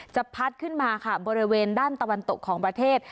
พัดขึ้นมาค่ะบริเวณด้านตะวันตกของประเทศ